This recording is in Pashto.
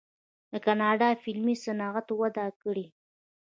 د کاناډا فلمي صنعت وده کړې.